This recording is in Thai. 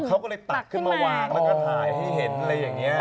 เขาก็เลยตักขึ้นมาวางแล้วก็ถ่ายให้เห็นอะไรอย่างนี้